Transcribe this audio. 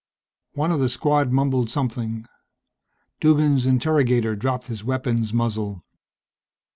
One of the Squad mumbled something. Duggan's interrogator dropped his weapon's muzzle.